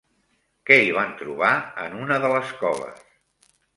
Què hi van trobar en una de les coves?